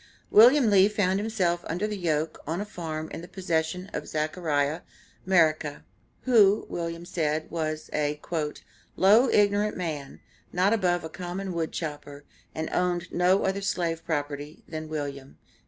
William Lee found himself under the yoke on a farm in the possession of Zechariah Merica, who, Wm. said, was a "low ignorant man, not above a common wood chopper, and owned no other slave property than William."